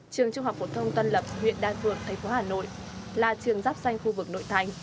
trường trung học phổ thông tân lập huyện đa phượng thành phố hà nội là trường giáp xanh khu vực nội thành